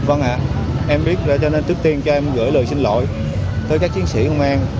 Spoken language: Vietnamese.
vâng ạ em biết cho nên trước tiên cho em gửi lời xin lỗi tới các chiến sĩ công an